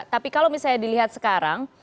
tapi kalau misalnya dilihat sekarang